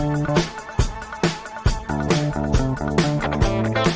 นี่